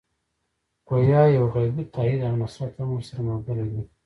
ګویا یو غیبي تایید او نصرت هم ورسره ملګری دی.